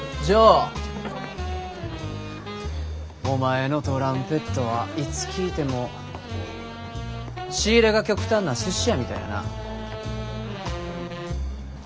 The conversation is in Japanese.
お前のトランペットはいつ聴いても仕入れが極端なすし屋みたいやな。